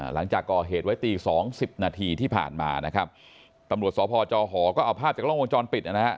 หลังจากก่อเหตุไว้ตีสองสิบนาทีที่ผ่านมานะครับตำรวจสพจหอก็เอาภาพจากกล้องวงจรปิดนะฮะ